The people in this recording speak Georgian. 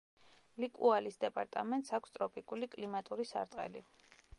ლიკუალის დეპარტამენტს აქვს ტროპიკული კლიმატური სარტყელი.